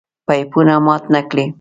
پيپونه مات نکړئ!